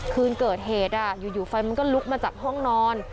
คืนเกิดเหตุอยู่ไฟมันก็ลุกมาจากห้องนอน